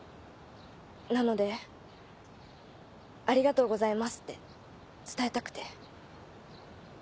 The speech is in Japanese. なので「ありがとうございます」って伝えたくて。